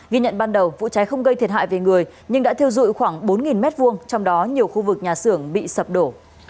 ghi nhận ban đầu vụ cháy không gây thiệt hại về người nhưng đã thiêu dụi khoảng bốn m hai trong đó nhiều khu vực nhà xưởng bị sập đổ